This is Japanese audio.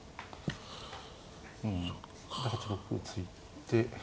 ８六歩を突いて。